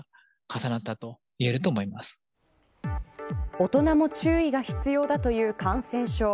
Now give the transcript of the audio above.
大人も注意が必要だという感染症。